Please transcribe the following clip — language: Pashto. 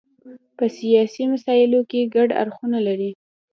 په سیاسي مسایلو کې ګډ اړخونه لري.